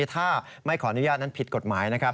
ถ้าไม่ขออนุญาตนั้นผิดกฎหมายนะครับ